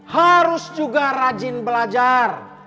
harus juga rajin belajar